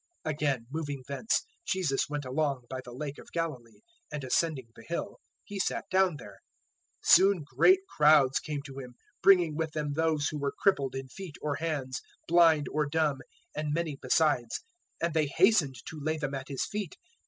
015:029 Again, moving thence, Jesus went along by the Lake of Galilee; and ascending the hill, He sat down there. 015:030 Soon great crowds came to Him, bringing with them those who were crippled in feet or hands, blind or dumb, and many besides, and they hastened to lay them at His feet.